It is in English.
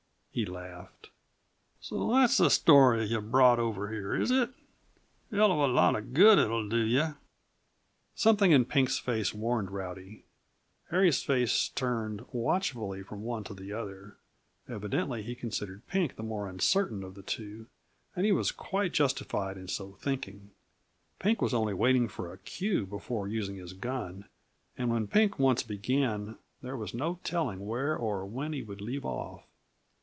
he laughed. "So that's the story yuh brought over here, is it? Hell of a lot uh good it'll do yuh!" Something in Pink's face warned Rowdy. Harry's face turned watchfully from one to the other. Evidently he considered Pink the more uncertain of the two; and he was quite justified in so thinking. Pink was only waiting for a cue before using his gun; and when Pink once began, there was no telling where or when he would leave off.